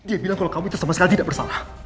dia bilang kalau kamu itu sama sekali tidak bersalah